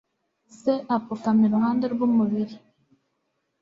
Se apfukama iruhande rw'umubiri.